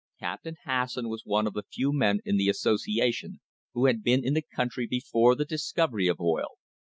Captain Has son was one of the few men in the association who had been in the country before the discovery of oil.